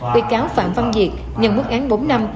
bị cáo phạm văn diệt nhận mức án bốn năm